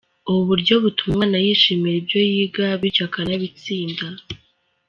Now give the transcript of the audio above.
Ubu buryo butuma umwana yishimira ibyo yiga bityo akanabitsinda”.